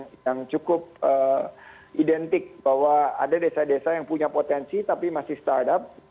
yang cukup identik bahwa ada desa desa yang punya potensi tapi masih startup